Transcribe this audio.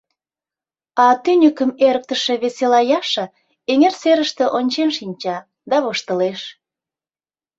А тӱньыкым эрыктыше весела Яша эҥер серыште ончен шинча да воштылеш.